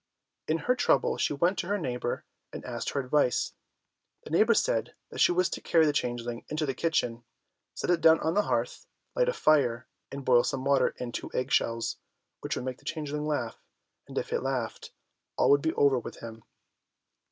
In her trouble she went to her neighbour, and asked her advice. The neighbour said that she was to carry the changeling into the kitchen, set it down on the hearth, light a fire, and boil some water in two egg shells, which would make the changeling laugh, and if he laughed, all would be over with him.